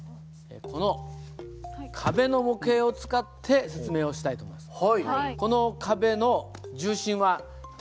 この壁の模型を使って説明をしたいと思います。